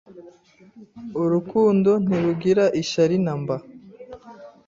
urukundo ntirugira ishyari namba